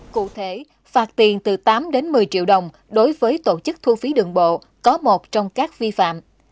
cụ thể phạt tiền từ tám đến một mươi triệu đồng đối với tổ chức thu phí đường bộ có một trong các vi phạm